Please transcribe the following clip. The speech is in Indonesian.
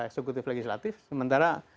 eksekutif legislatif sementara